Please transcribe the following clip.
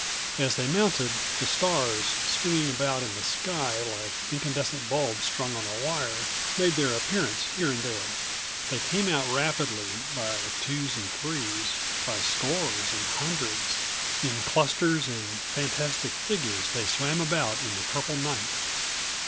As they mounted, the stars, swinging about in the sky, like incandescent bulbs strung on a wire, made their appearance here and there. They came out rapidly, by twos and threes, by scores and hundreds. In clusters and fantastic figures they swam about in the purple night.